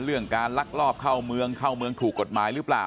เรื่องการลักลอบเข้าเมืองเข้าเมืองถูกกฎหมายหรือเปล่า